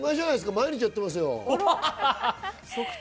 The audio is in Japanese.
毎日やってますよ。